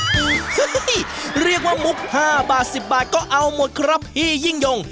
โอ้โหเรียกว่ามุก๕บาท๑๐บาทก็เอาหมดครับพี่ยิ่งยง